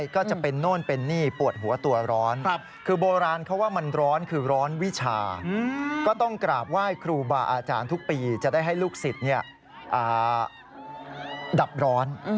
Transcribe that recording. ก็ต้องกราบว่าให้ครูบ่าอาจารย์ทุกปีจะได้ให้ลูกสิทธิ์ดับร้อน